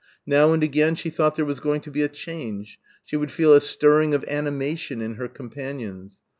Now and again she thought there was going to be a change. She would feel a stirring of animation in her companions.